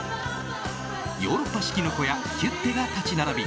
ヨーロッパ式の小屋ヒュッテが立ち並び